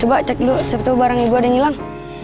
coba cek dulu sebetulnya barang ibu ada yang hilang